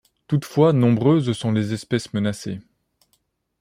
Toutefois nombreuses sont les espèces menacées.